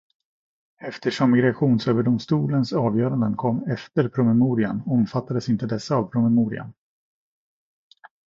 Eftersom Migrationsöverdomstolens avgöranden kom efter promemorian omfattades inte dessa av promemorian.